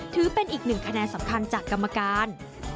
ถือเป็นอีกหนึ่งคะแนนสำคัญจากกรรมการ